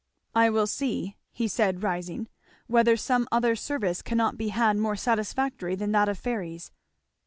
"I will see," he said rising, "whether some other service cannot be had more satisfactory than that of fairies!"